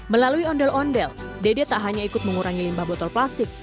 melalui ondel ondel dede tak hanya ikut mengurangi limbah botol plastik